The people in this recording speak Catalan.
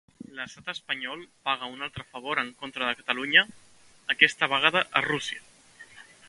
L'estat espanyol paga un altre favor en contra de Catalunya, aquesta vegada a Rússia.